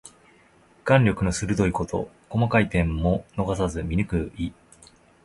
眼力の鋭いこと。細かい点も逃さず見抜く意。